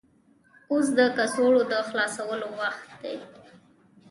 اوس د کڅوړو د خلاصولو وخت دی.